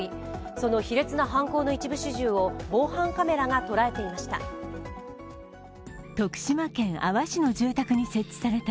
その卑劣な犯行の一部始終を防犯カメラが捉えていました。